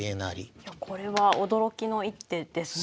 いやこれは驚きの一手ですね。